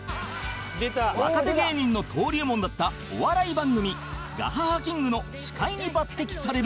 若手芸人の登竜門だったお笑い番組『ＧＡＨＡＨＡ キング』の司会に抜擢される